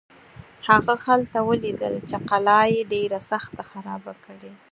هغه هلته ولیدل چې قلا یې ډېره سخته خرابه کړې.